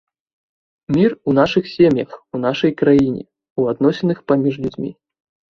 Мір у нашых сем'ях, у нашай краіне, у адносінах паміж людзьмі.